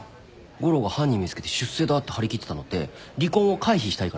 悟郎が犯人見つけて出世だって張り切ってたのって離婚を回避したいからだろ？